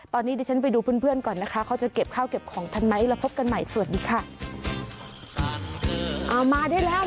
ตอนนี้เดี๋ยวฉันไปดูเพื่อนก่อนนะคะเขาจะเก็บข้าวเก็บของทันไหมแล้วพบกันใหม่สวัสดีค่ะ